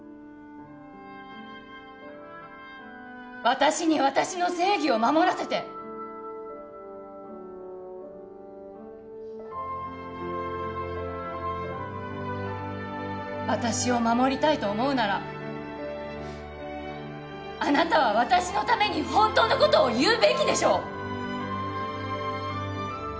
私に私の正義を守らせて私を守りたいと思うならあなたは私のために本当のことを言うべきでしょ！